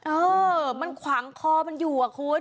เออมันขวางคอมันอยู่อะคุณ